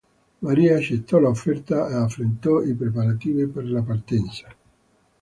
Maria accettò l'offerta e affrettò i preparativi per la partenza.